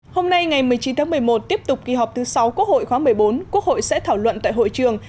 hôm nay ngày một mươi chín tháng một mươi một tiếp tục kỳ họp thứ sáu quốc hội khóa một mươi bốn quốc hội sẽ thảo luận tại hội trường